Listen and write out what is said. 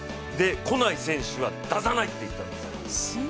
来ない選手は出さないって言ったんです。